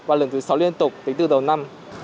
và lần thứ sáu liên tục tính từ đầu năm